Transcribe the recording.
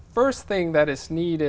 và giúp đỡ